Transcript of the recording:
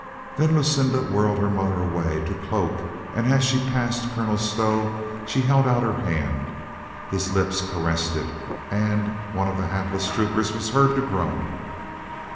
Then Lucinda whirled her mother away to cloak, and as she passed Colonel Stow she held out her hand. His lips ca ressed it, and one of the hapless troopers was heard to groan.